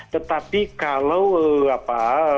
tetapi kalau kita tidak bisa mengetahui dinamika global